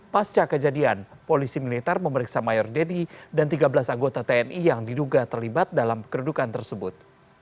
pasca kejadian polisi militer memeriksa mayor deddy dan tiga belas anggota tni yang diduga terlibat dalam kerudukan tersebut